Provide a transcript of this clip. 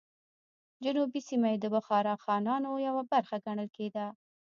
جنوبي سیمه یې د بخارا خانانو یوه برخه ګڼل کېده.